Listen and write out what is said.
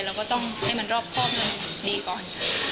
เราก็ต้องให้มันรอบครอบมันดีก่อน